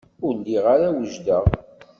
Ur lliɣ ara wejdeɣ.